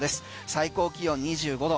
最高気温２５度。